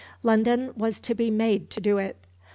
London was to be made to do it.